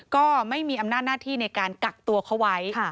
ก็ไม่มีอำนาจหน้าที่ในการกักตัวเขาไว้